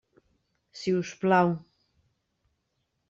Si us plau!